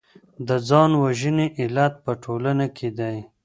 د ځان وژنې علت په ټولنه کي دی.